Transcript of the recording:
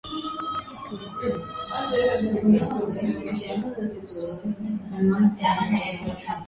siku ya Jumatano alitoa wito wa kurekebishwa upya kwa kikosi cha kulinda amani cha Umoja wa Mataifa